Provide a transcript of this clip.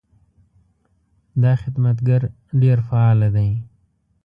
دا خدمتګر ډېر فعاله ده.